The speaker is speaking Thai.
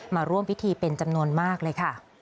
มาร่วมพิธีเป็นจำนวนมากเลยค่ะ